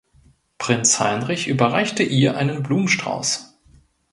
Prinz Heinrich überreichte ihr einen Blumenstrauß.